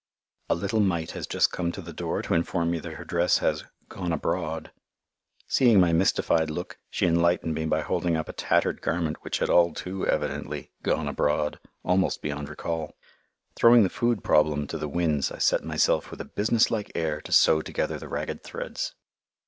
A little mite has just come to the door to inform me that her dress has "gone abroad." Seeing my mystified look, she enlightened me by holding up a tattered garment which had all too evidently "gone abroad" almost beyond recall. Throwing the food problem to the winds I set myself with a businesslike air to sew together the ragged threads.